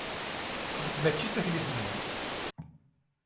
Nekk mačči d taklit-nwen.